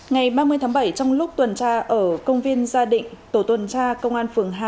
ngày ba mươi tháng bảy trong lúc tuần tra ở công viên gia định tổ tuần tra công an phường hai